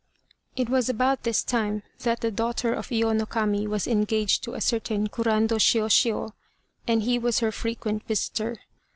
It was about this time that the daughter of Iyo no Kami was engaged to a certain Kurando Shiôshiô, and he was her frequent visitor.